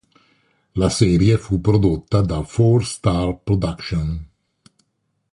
La serie fu prodotta da Four Star Productions.